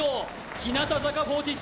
日向坂４６